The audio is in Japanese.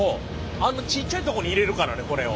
あのちっちゃいとこに入れるからねこれを。